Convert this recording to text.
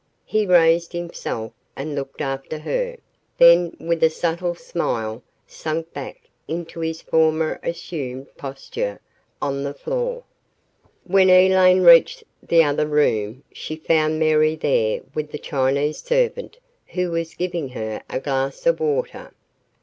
He raised himself and looked after her, then with a subtle smile sank back into his former assumed posture on the floor. When Elaine reached the other room, she found Mary there with the Chinese servant who was giving her a glass of water.